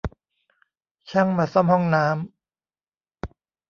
ช่างมาซ่อมห้องน้ำ